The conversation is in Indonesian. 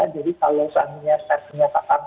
jadi kalau saat ini setnya